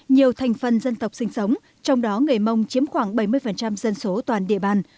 nhiều thành phần dân tộc sinh sống trong đó người mông chiếm khoảng bảy mươi dân số toàn địa bàn